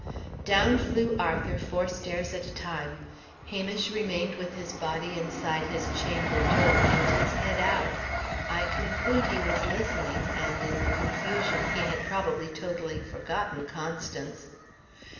Down flew Arthur, four stairs at a time. Hamish remained with his body inside his chamber door, and his head out. I conclude he was listening; and, in the confusion, he had probably totally forgotten Constance.